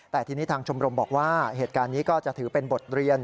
แต่ทีนี้ทางชมรมบอกว่าเหตุการณ์นี้ก็จะถือเป็นบทเรียน